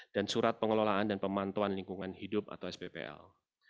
dan surat pengelolaan dan pemantuan lingkungan hidup atau sppl